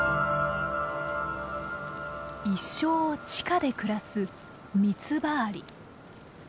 一生を地下で暮らすミツバアリ。